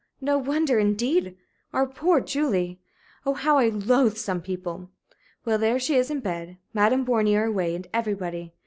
No wonder, indeed our poor Julie! Oh, how I loathe some people! Well, there she is in bed, Madame Bornier away, and everybody.